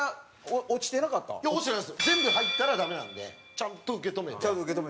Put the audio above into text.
全部入ったらダメなのでちゃんと受け止めて。